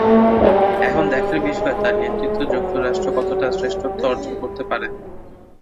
এখন দেখার বিষয়, তাঁর নেতৃত্বে যুক্তরাষ্ট্র কতটা শ্রেষ্ঠত্ব অর্জন করতে পারে।